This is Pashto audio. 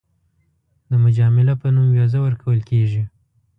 د مجامله په نوم ویزه ورکول کېږي.